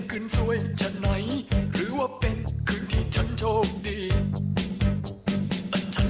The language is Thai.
โหสวัสดีครับทั้งสองครับครับ